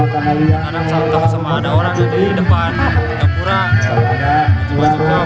kadang takut sama ada orang di depan yang kurang